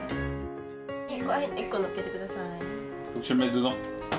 １個のっけて下さい。